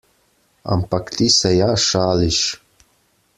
Ampak ti se ja šališ.